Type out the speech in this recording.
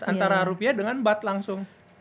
antara rupiah dengan bat langsung